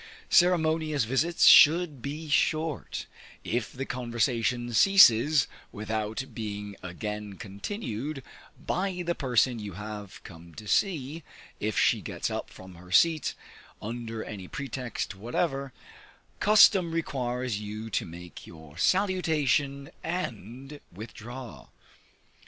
Ceremonious visits should be short; if the conversation ceases without being again continued by the person you have come to see, if she gets up from her seat under any pretext whatever, custom requires you to make your salutation and withdraw.